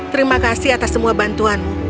terima kasih atas semua bantuanmu